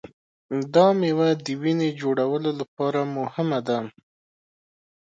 دا مېوه د وینې جوړولو لپاره مهمه ده.